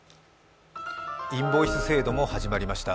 インボイス制度も始まりました。